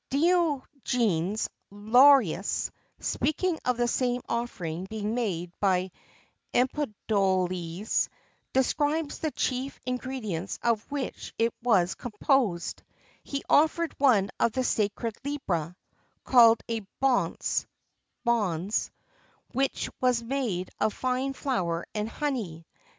Diogenes Laertius, speaking of the same offering being made by Empedocles, describes the chief ingredients of which it was composed: "He offered one of the sacred liba, called a bonse (bons), which was made of fine flour and honey."